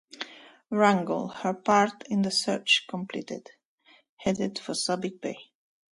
"Wrangell", her part in the search completed, headed for Subic Bay.